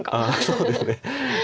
そうですね。